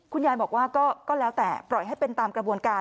คุณยายบอกว่าก็แล้วแต่ปล่อยให้เป็นตามกระบวนการ